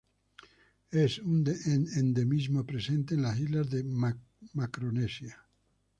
Es un endemismo presente en las islas de Macaronesia.